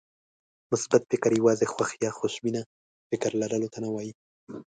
مثبت فکر يوازې خوښ يا خوشبينه فکر لرلو ته نه وایي.